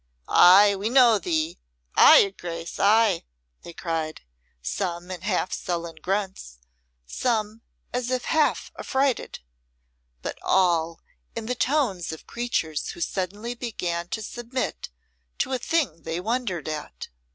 "Ay, we know thee! Ay, your Grace! Ay!" they cried, some in half sullen grunts, some as if half affrighted, but all in the tones of creatures who suddenly began to submit to a thing they wondered at.